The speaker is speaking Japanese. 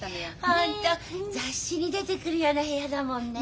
ホント雑誌に出てくるような部屋だもんねえ。